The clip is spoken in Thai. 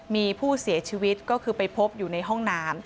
มีผู้เสียชีวิตก็คือไปพบอยู่ในห้องน้ำ